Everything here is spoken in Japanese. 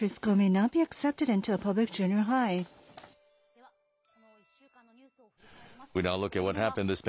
では、この１週間のニュースを振り返ります。